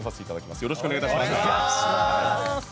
よろしくお願いします。